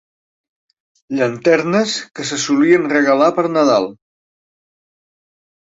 Llanternes que se solien regalar per Nadal.